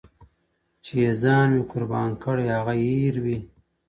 • چي یې ځان وي قربان کړی هغه هېر وي ,